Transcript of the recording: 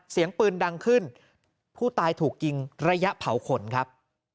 เสียงปืนดังขึ้นผู้ตายถูกยิงระยะเผาขนครับ